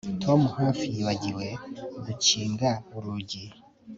Tom hafi yibagiwe gukinga urugi